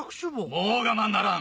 もう我慢ならん！